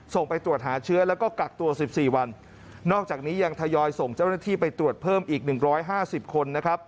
ส่งไปตรวจหาเชื้อแล้วก็กักตัว๑๔วันนอกจากนี้ยังทยอยส่งเจ้าหน้าที่ไปตรวจเพิ่มอีก๑๕๐คน